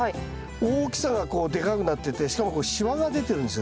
大きさがこうでかくなっててしかもしわが出てるんですよ